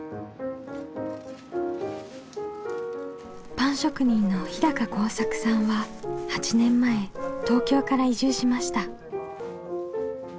パン職人の日晃作さんは８年前東京から移住しました。